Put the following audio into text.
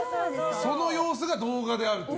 その様子が動画であると。